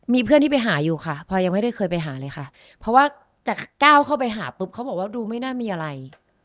มีเพื่อนที่ไปหาอยู่ค่ะพลอยยังไม่ได้เคยไปหาเลยค่ะเพราะว่าจะก้าวเข้าไปหาปุ๊บเขาบอกว่าดูไม่น่ามีอะไร